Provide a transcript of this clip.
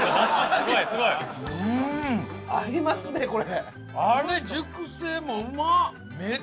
合いますねこれ。